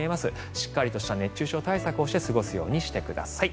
しっかりとした熱中症対策をして過ごすようにしてください。